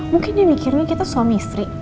mungkin yang mikirnya kita suami istri